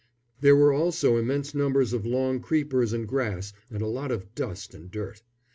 There were also immense numbers of long creepers and grass, and a lot of dust and dirt.